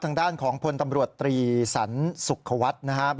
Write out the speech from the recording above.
ทางด้านของพลตำรวจตรีสันสุขวัฒน์นะครับ